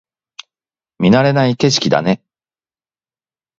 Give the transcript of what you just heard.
見慣れない景色だね